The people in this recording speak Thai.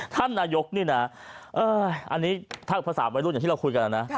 ท่านนายกนี่นะอันนี้ถ้าภาษาวัยรุ่นอย่างที่เราคุยกันนะ